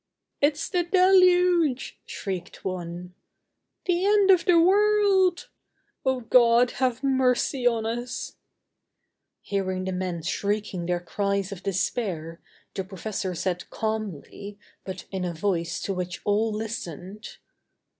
"It's the deluge," shrieked one. "The end of the world!" "Oh, God, have mercy on us." Hearing the men shrieking their cries of despair, the professor said calmly, but in a voice to which all listened.